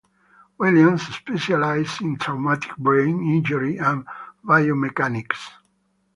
Williams specializes in traumatic brain injury and biomechanics.